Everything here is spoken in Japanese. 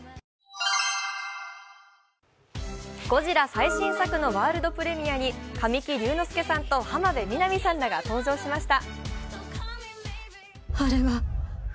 最新作のワールドプレミアに神木隆之介さんと浜辺美波さんらが登場しました。